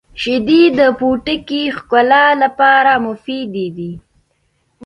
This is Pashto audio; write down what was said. • شیدې د پوټکي ښکلا لپاره مفیدې دي.